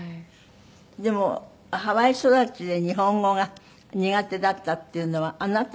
でもハワイ育ちで日本語が苦手だったっていうのはあなた？